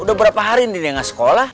udah berapa hari nih dia enggak sekolah